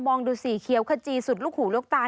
องดูสีเขียวขจีสุดลูกหูลูกตา